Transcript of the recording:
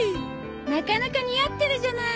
なかなか似合ってるじゃない。